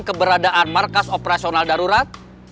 keberadaan markas operasional darurat